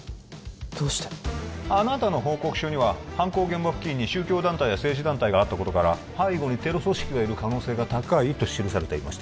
どうしてあなたの報告書には犯行現場付近に宗教団体や政治団体があったことから背後にテロ組織がいる可能性が高いと記されていました